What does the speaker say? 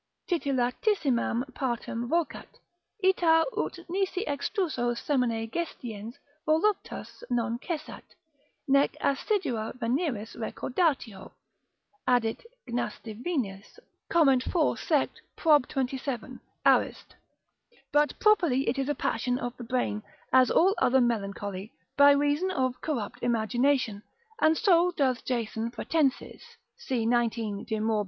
titillatissimam partem vocat, ita ut nisi extruso semine gestiens voluptas non cessat, nec assidua veneris recordatio, addit Gnastivinius Comment. 4. Sect. prob. 27. Arist. But properly it is a passion of the brain, as all other melancholy, by reason of corrupt imagination, and so doth Jason Pratensis, c. 19. de morb.